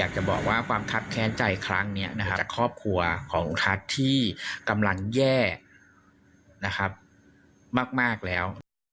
จากครอบครัวของลุงทัศน์ที่กำลังแย่นะครับมากมากแล้ว